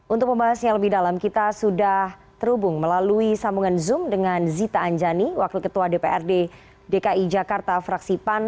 untuk pembahasannya lebih dalam kita sudah terhubung melalui sambungan zoom dengan zita anjani wakil ketua dprd dki jakarta fraksi pan